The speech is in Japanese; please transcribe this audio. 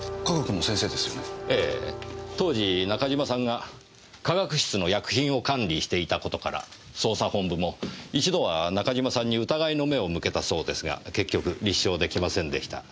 ええ当時中島さんが化学室の薬品を管理していた事から捜査本部も一度は中島さんに疑いの目を向けたそうですが結局立証出来ませんでした。